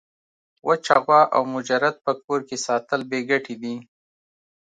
وچه غوا او مجرد په کور کي ساتل بې ګټي دي.